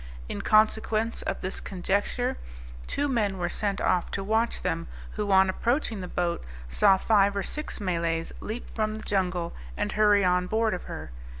In consequence of this conjecture, two men were sent off to watch them, who on approaching the boat, saw five or six Malays leap from the jungle, and hurry on board of her.